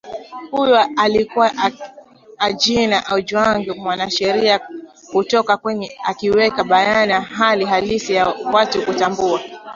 huyu alikuwa ajina ojwang mwanasheria kutoka kenya akiweka bayana hali halisi ya watu kutambua